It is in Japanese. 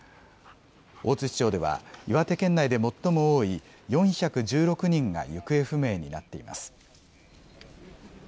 大槌町では岩手県内で最も多い４１６人が行方不明になっています。